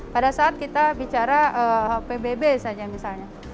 pada saat kita bicara pbb saja misalnya